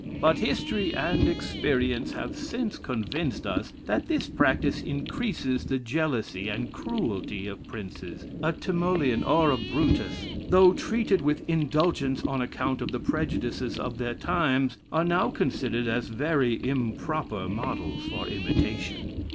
But history and experience having since convinced us, that this practice increases the jealousy and cruelty of princes, a Timoleon and a Brutus, though treated with indulgence on account of the prejudices of their times, are now considered as very improper models for imitation.